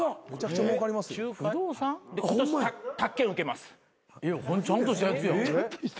ちゃんとしたやつやん。